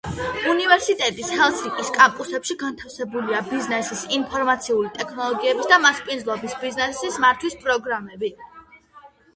უნივერსიტეტის ჰელსინკის კამპუსებში განთავსებულია ბიზნესის, ინფორმაციული ტექნოლოგიების და მასპინძლობის ბიზნესის მართვის პროგრამები.